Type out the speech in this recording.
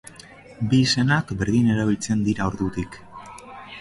Bi izenak berdin erabiltzen dira ordutik.